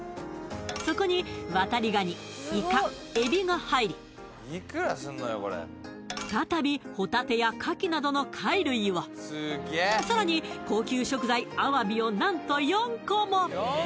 そこにワタリガニイカエビが入り再びホタテやカキなどの貝類をさらに高級食材アワビを何と４個も！